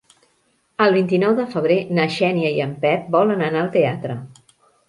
El vint-i-nou de febrer na Xènia i en Pep volen anar al teatre.